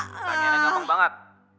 pertanyaannya gampang banget